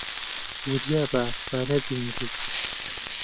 وریا بە با نەبینرێیت.